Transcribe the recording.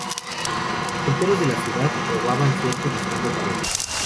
Los solteros de la ciudad probaban suerte buscando pareja.